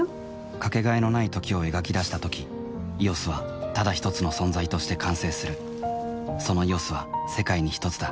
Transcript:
かけがえのない「時」を描き出したとき「ＥＯＳ」はただひとつの存在として完成するその「ＥＯＳ」は世界にひとつだ